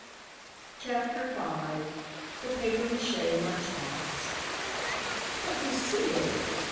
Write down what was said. CHAPTER V THE PAPIER MACHE LUNCH BOX "But, Lucile!"